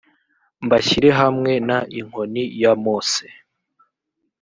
mbashyire hamwe n inkoni ya mose